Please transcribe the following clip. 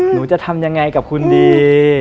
หนูจะทำยังไงกับคุณดี